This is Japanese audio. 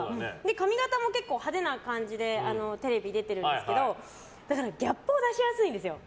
髪型も派手な感じでテレビに出てるんでギャップを出しやすいんですよ。